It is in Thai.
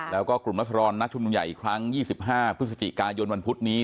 แล้วก็กลุ่มรัศดรนัดชุมนุมใหญ่อีกครั้ง๒๕พฤศจิกายนวันพุธนี้